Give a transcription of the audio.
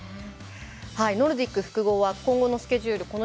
ノルディック複合は今後のスケジュール